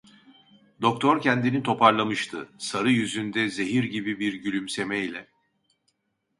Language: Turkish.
Doktor kendini toparlamıştı, sarı yüzünde zehir gibi bir gülümsemeyle: